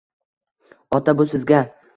– Ota, bu sizga.